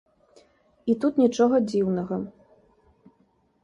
І тут нічога дзіўнага.